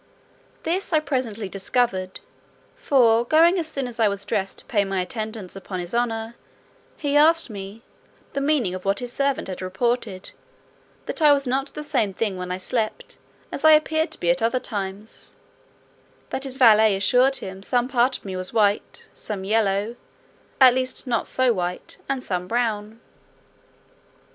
This I presently discovered, for, going as soon as I was dressed to pay my attendance upon his honour, he asked me "the meaning of what his servant had reported, that I was not the same thing when I slept, as I appeared to be at other times; that his valet assured him, some part of me was white, some yellow, at least not so white, and some brown."